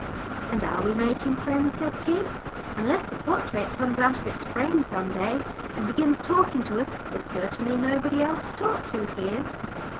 "And are we making friends?" said Tib. "Unless the portrait comes out of its frame some day, and begins talking to us, there's certainly nobody else to talk to here."